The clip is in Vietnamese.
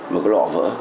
một cái lọ vỡ